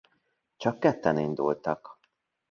Csak ketten indultak.